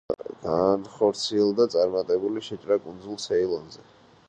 განხორციელდა წარმატებული შეჭრა კუნძულ ცეილონზე.